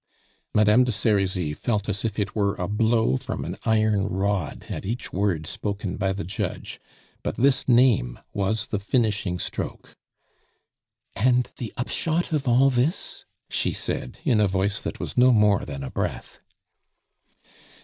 Madame de Serizy felt as if it were a blow from an iron rod at each word spoken by the judge, but this name was the finishing stroke. "And the upshot of all this?" she said, in a voice that was no more than a breath.